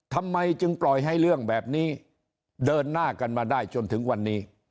ทำไมจึงปล่อยให้เรื่องแบบนี้เดินหน้ากันมาได้จนถึงวันนี้